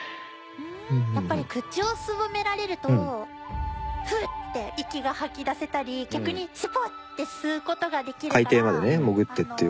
やっぱり口をすぼめられるとフーッて息が吐き出せたり逆にシュポッて吸う事ができるからあのなんだろう？